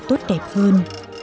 tốt đẹp hơn